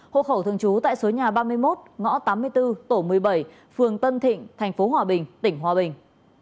hộ khẩu thường trú tại số nhà ba mươi một ngõ tám mươi bốn tổ một mươi bảy phường tân thịnh tp hòa bình tỉnh hòa bình